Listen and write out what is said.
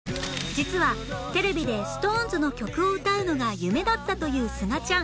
実はテレビで ＳｉｘＴＯＮＥＳ の曲を歌うのが夢だったというすがちゃん